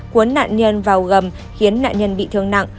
cuốn nạn nhân vào gầm khiến nạn nhân bị thương nặng